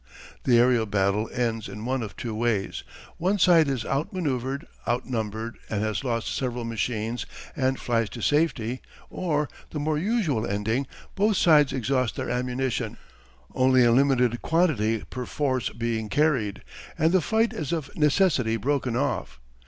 The aërial battle ends in one of two ways: one side is outmanoeuvred, outnumbered, and has lost several machines and flies to safety, or, the more usual ending, both sides exhaust their ammunition, only a limited quantity perforce being carried, and the fight is of necessity broken off.